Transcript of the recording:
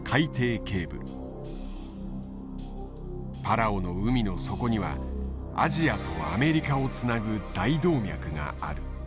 パラオの海の底にはアジアとアメリカをつなぐ大動脈がある。